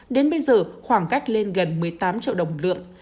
đến bây giờ khoảng cách lên gần một mươi tám triệu đồng một lượng